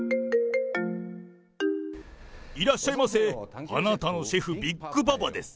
いらっしゃいませ、あなたのシェフ、ビッグパパです。